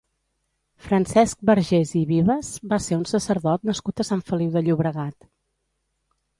Francesc Vergés i Vives va ser un sacerdot nascut a Sant Feliu de Llobregat.